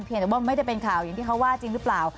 แต่ว่าไม่ได้เป็นข่าวอย่างที่เขาว่าจริงหรือเปล่า